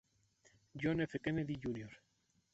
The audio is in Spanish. John F. Kennedy Jr.